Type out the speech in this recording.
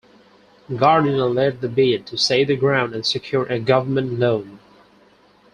Gardiner led the bid to save the ground and secured a government loan.